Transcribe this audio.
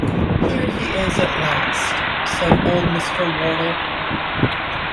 ‘Here he is at last!’ said old Mr. Wardle.